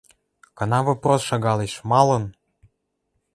Кынам вопрос шагалеш: «Малын?»